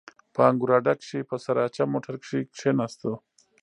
په انګور اډه کښې په سراچه موټر کښې کښېناستو.